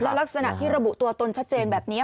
ลักษณะที่ระบุตัวตนชัดเจนแบบนี้